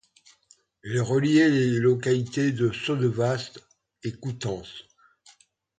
Elle reliait les localités de Sottevast et Coutances.